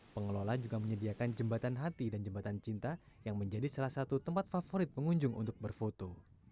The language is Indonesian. pengelola juga menyediakan jembatan hati dan jembatan cinta yang menjadi salah satu tempat favorit pengunjung untuk berfoto